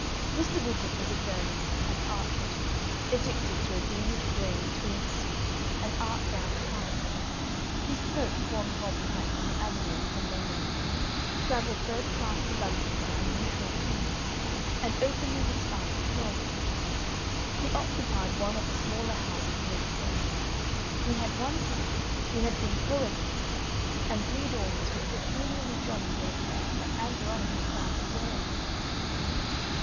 Mr. Widgett was a journalist and art critic, addicted to a greenish gray tweed suit and "art" brown ties; he smoked corncob pipes in the Avenue on Sunday morning, travelled third class to London by unusual trains, and openly despised golf. He occupied one of the smaller houses near the station. He had one son, who had been co educated, and three daughters with peculiarly jolly red hair that Ann Veronica found adorable.